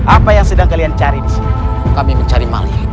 apa yang sedang kalian cari di sini kami mencari maling